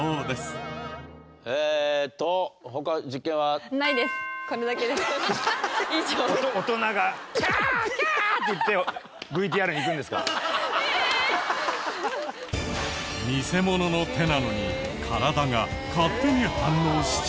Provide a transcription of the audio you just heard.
偽物の手なのに体が勝手に反応しちゃう？